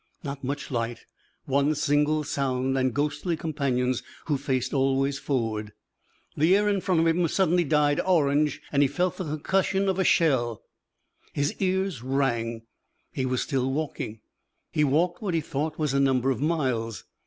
Not much light, one single sound, and ghostly companions who faced always forward. The air in front of him was suddenly dyed orange and he felt the concussion of a shell. His ears rang. He was still walking. He walked what he thought was a number of miles.